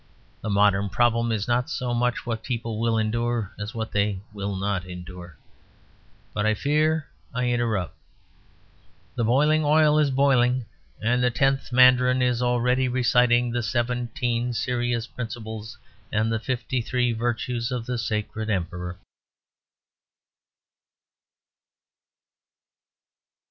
The modern problem is not so much what people will endure as what they will not endure. But I fear I interrupt.... The boiling oil is boiling; and the Tenth Mandarin is already reciting the "Seventeen Serious Principles and the Fifty three Virtues of the Sacred Emperor."